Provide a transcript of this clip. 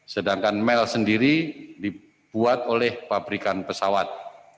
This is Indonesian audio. sedangkan mel sendiri dibuat oleh pabrikan pesawat